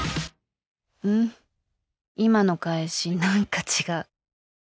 今の返し何か違う。